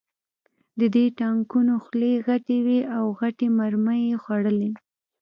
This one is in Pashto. د دې ټانکونو خولې غټې وې او غټې مرمۍ یې خوړلې